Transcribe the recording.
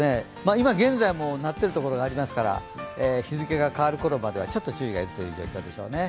今現在も鳴ってるところがありますから日付が変わるころまでちょっと注意がいるというところでしょうね。